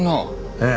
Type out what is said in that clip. ええ。